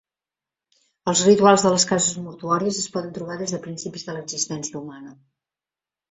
Els rituals de les cases mortuòries es poden trobar des de principis de l'existència humana.